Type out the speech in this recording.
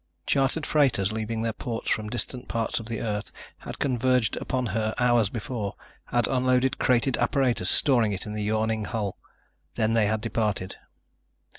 Chartered freighters, leaving their ports from distant parts of the Earth, had converged upon her hours before, had unloaded crated apparatus, storing it in the yawning hull. Then they had departed.